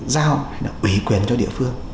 giao ủy quyền cho địa phương